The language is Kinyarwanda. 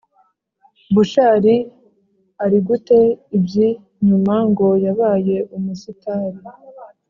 Bushari ari gute ibyi nyuma ngo yabaye umusitari